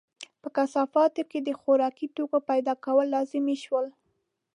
په کثافاتو کې د خوراکي توکو پیدا کول لازمي شول.